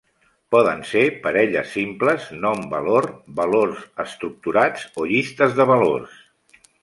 Poden ser parelles simples nom-valor, valors estructurats o llistes de valors.